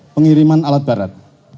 pengiriman alat barat